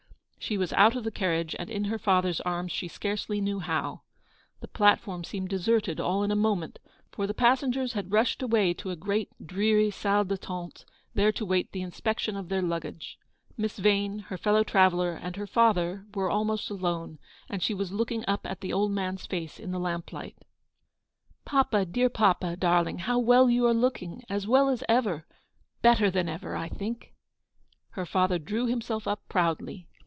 She was out of the carriage and in her father's arms she scarcely knew how. The platform seemed deserted all in a moment, for the passengers had rushed away to a great dreary salle d'attente, there to await the inspection of their luggage. Miss Vane, her fellow traveller, * and her father were almost alone, and she was looking up at the old man's face in the lamplight. GOING HOME. 15 "Papa, dear, papa, darling, how well you are looking; as well as ever; better than ever, I think! *' Her father drew himself up proudly.